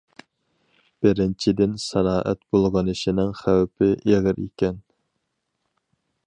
بىرىنچىدىن، سانائەت بۇلغىنىشىنىڭ خەۋپى ئېغىر ئىكەن.